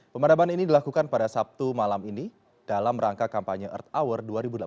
pemadaman ini dilakukan pada sabtu malam ini dalam rangka kampanye earth hour dua ribu delapan belas